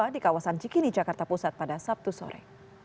di kawasan cikini jakarta pusat pada sabtu sore